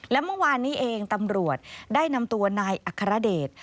และเมื่อวานนี้เองตำรวจได้นำตัวนายอัครเดช